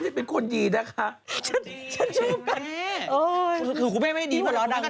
อย่าเช็ตในสิ่งที่เชื่อในสิ่งที่เชื่อในสิ่งที่เห็นดิจริง